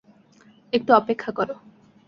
একটু অপেক্ষা কর!